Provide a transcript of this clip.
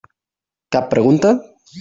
Cap pregunta?